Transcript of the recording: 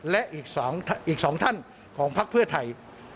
และอีก๒ท่านของพักเพื่อไทย